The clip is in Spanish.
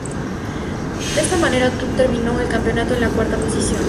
De esta manera el club terminó el campeonato en la cuarta posición.